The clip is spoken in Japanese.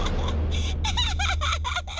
アハハハ